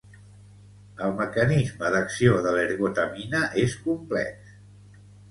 El mecanisme d'acció de l'ergotamina és complex.